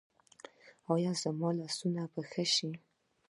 ایا زما لاسونه به ښه شي؟